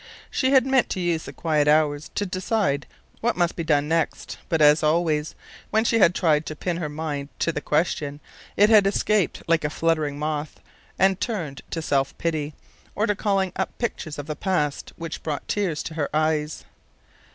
She had meant to use the quiet hours to decide what must be done next, but always, when she had tried to pin her mind to the question, it had escaped like a fluttering moth, and turned to self pity, or to calling up pictures of the past which brought tears to her eyes.